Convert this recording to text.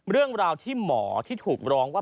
เรื่องราวที่หมอที่ถูกร้องว่า